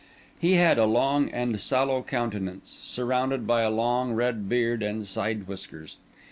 He had a long and sallow countenance, surrounded by a long red beard and side whiskers.